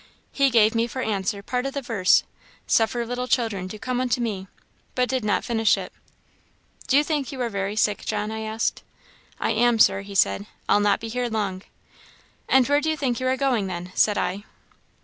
He gave me for answer part of the verse, 'Suffer little children to come unto me,' but did not finish it. 'Do you think you are very sick, John?' I asked. " 'I am, Sir,' he said 'I'll not be long here.' " 'And where do you think you are going, then?' said I.